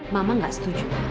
mama gak setuju